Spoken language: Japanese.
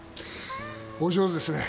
お上手ですね。